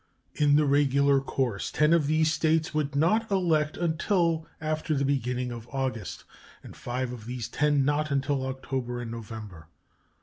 In the regular course ten of these States would not elect until after the beginning of August, and five of these ten not until October and November.